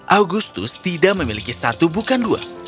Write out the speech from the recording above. agustus tidak memiliki satu bukan dua